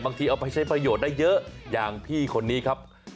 เอาไปใช้ประโยชน์ได้เยอะอย่างพี่คนนี้ครับ